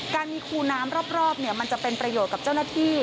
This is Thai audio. การมีคูน้ำรอบมันจะเป็นประโยชน์กับเจ้าหน้าที่